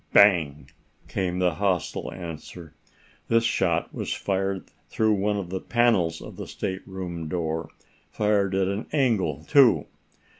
Bang! came the hostile answer. This shot was fired through one of the panels of the stateroom door fired at an angle, too.